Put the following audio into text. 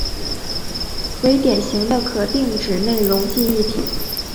为典型的可定址内容记忆体。